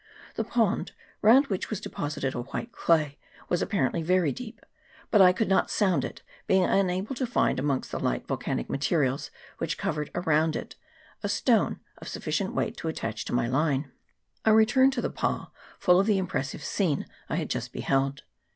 The pond, round which was depo sited a white clay, was apparently very deep ; but I could not sound it, being unable to find amongst the light volcanic materials which covered around it a stone of sufficient weight to attach to my line. I returned to the pa full of the impressive scene I had just beheld.